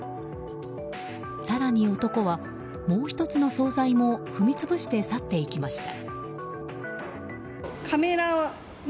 更に、男はもう１つの総菜も踏み潰して去っていきました。